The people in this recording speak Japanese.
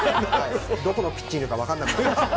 どこのピッチにいるのか分からなくなっています。